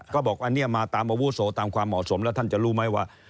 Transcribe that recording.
ก็บอกอันนี้มาตามอาวุโสตามความเหมาะสมแล้วท่านจะรู้ไหมว่า